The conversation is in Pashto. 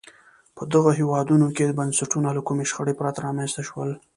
په دغو هېوادونو کې بنسټونه له کومې شخړې پرته رامنځته شول.